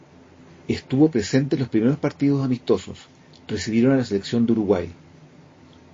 Estuvo presente en los primeros partidos amistosos, recibieron a la selección de Uruguay.